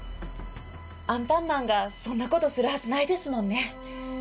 アンパンマンがそんなことするはずないですもんね。